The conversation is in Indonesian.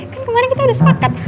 kan kemarin kita sudah sepakat